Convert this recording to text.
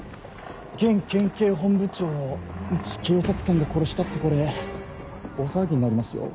現県警本部長をいち警察官が殺したってこれ大騒ぎになりますよ。